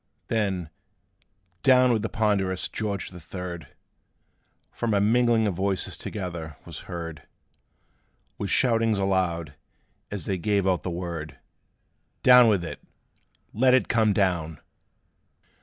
Then, "Down with the ponderous George the Third!" From a mingling of voices together, was heard, With shoutings aloud, as they gave out the word, "Down with it! let it come down!